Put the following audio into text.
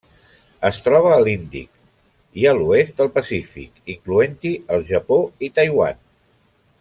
Es troba a l'Índic i a l'oest del Pacífic, incloent-hi el Japó i Taiwan.